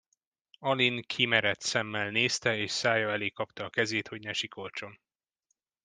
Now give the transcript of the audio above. Aline kimeredt szemmel nézte, és szája elé kapta a kezét, hogy ne sikoltson.